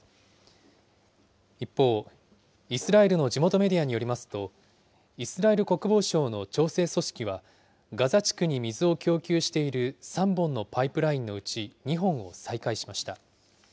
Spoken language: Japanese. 一方、イスラエルの地元メディアによりますと、イスラエル国防省の調整組織はガザ地区に水を供給している３本のパイプラインのうち２本を再開しました。